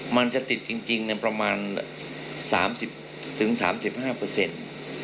มันจะติดจริงในประมาณ๓๐๓๕เปอร์เซ็นต์